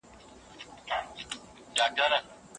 رحیم د پخوا په څېر بې حوصلې و.